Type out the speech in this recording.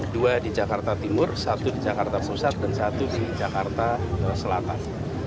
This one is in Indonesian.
dua di jakarta timur satu di jakarta pusat dan satu di jakarta selatan